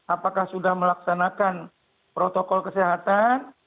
apakah sudah melaksanakan protokol kesehatan